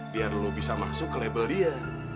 biar lu bisa masuk ke label dia